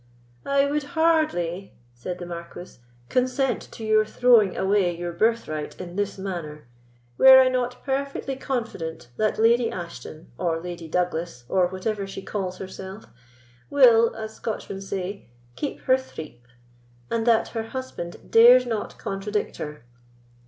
"I would hardly," said the Marquis, "consent to your throwing away your birthright in this manner, were I not perfectly confident that Lady Ashton, or Lady Douglas, or whatever she calls herself, will, as Scotchmen say, keep her threep; and that her husband dares not contradict her."